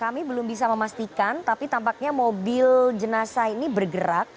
kami belum bisa memastikan tapi tampaknya mobil jenazah ini bergerak